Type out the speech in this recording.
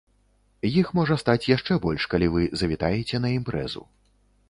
Іх можа стаць яшчэ больш, калі вы завітаеце на імпрэзу.